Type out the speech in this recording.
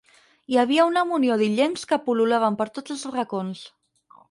Hi havia una munió d'illencs que pul·lulaven per tots els racons.